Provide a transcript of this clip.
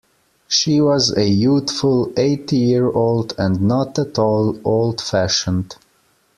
She was a youthful eighty-year-old, and not at all old-fashioned.